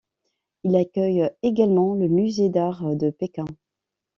Il accueille également le Musée d'art de Pékin.